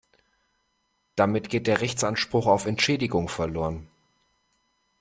Damit geht der Rechtsanspruch auf Entschädigung verloren.